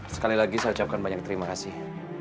sekali lagi saya ucapkan banyak terima kasih